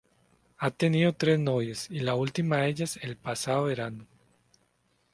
Ha tenido tres novias, y la última de ellas el pasado verano.